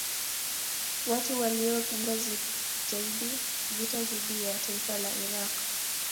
Watu waliopinga zaidi vita dhidi ya taifa la Iraq